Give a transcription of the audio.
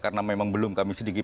karena memang belum kami sidikin